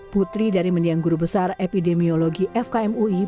putri dari mendiang guru besar epidemiologi fkmui